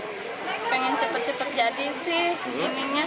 pengen cepet cepet jadi sih